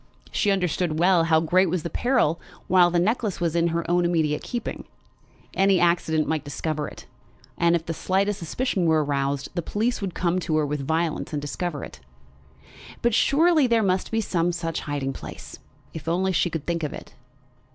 She understood well how great was the peril while the necklace was in her own immediate keeping. Any accident might discover it, and if the slightest suspicion were aroused, the police would come upon her with violence and discover it. But surely there must be some such hiding place, if only she could think of it!